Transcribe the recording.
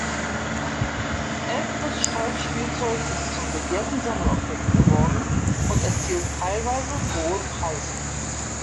Älteres Steiff-Spielzeug ist zum begehrten Sammelobjekt geworden und erzielt teilweise hohe Preise.